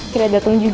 kira dateng juga